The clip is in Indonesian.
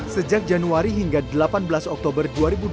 sejak januari hingga delapan belas oktober dua ribu dua puluh